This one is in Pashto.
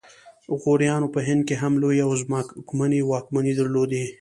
غوریانو په هند کې هم لویې او ځواکمنې واکمنۍ درلودې